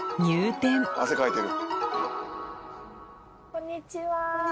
こんにちは。